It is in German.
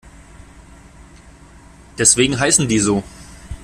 Deswegen heißen die so.